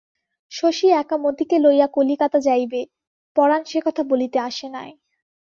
শশী একা মতিকে লইয়া কলিকাতা যাইবে, পরাণ সেকথা বলিতে আসে নাই।